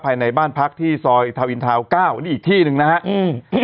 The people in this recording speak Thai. ภายในบ้านพักที่ซอยเทาอินเทา๙นี่อีกที่หนึ่งนะครับ